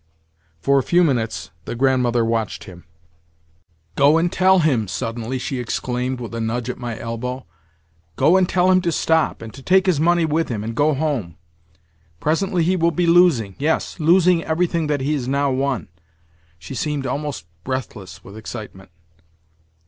For a few minutes the Grandmother watched him. "Go and tell him," suddenly she exclaimed with a nudge at my elbow, "—go and tell him to stop, and to take his money with him, and go home. Presently he will be losing—yes, losing everything that he has now won." She seemed almost breathless with excitement.